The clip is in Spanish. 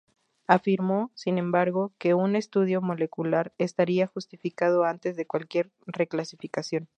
Afirmó, sin embargo, que un estudio molecular estaría justificado antes de cualquier reclasificación.